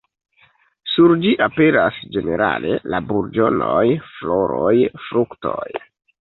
Sur ĝi aperas ĝenerale la burĝonoj, floroj, fruktoj.